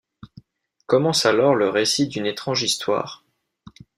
Commence alors le récit d'une étrange histoire...